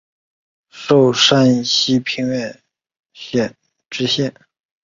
授山西平遥县知县。